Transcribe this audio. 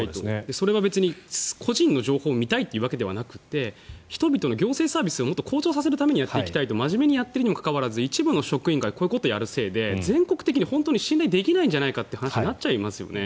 それは別に個人の情報を見たいというわけではなくて人々の行政サービスをもっと向上させるためにやっていきたいと真面目にやっているにもかかわらず一部の職員がこういうことをやるせいで全国的に本当に信頼できないんじゃないかという話になっちゃいますよね。